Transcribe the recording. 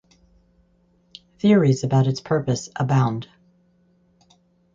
Theories about its purpose abound.